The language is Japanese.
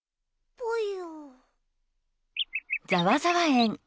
ぽよ。